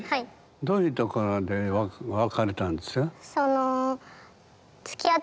どういうところで別れたんですか？